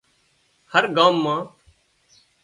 هر ڳام مان